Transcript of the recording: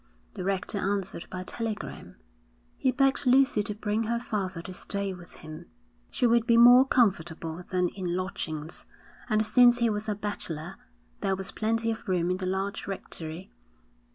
The rector answered by telegram. He begged Lucy to bring her father to stay with him. She would be more comfortable than in lodgings, and, since he was a bachelor, there was plenty of room in the large rectory.